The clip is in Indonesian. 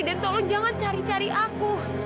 dan tolong jangan cari cari aku